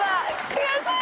悔しい。